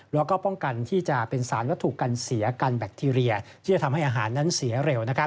แล้วก็ป้องกันที่จะเป็นสารวัตถุกันเสียกันแบคทีเรียที่จะทำให้อาหารนั้นเสียเร็ว